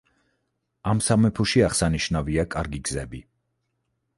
ამ სამეფოში აღსანიშნავია კარგი გზები.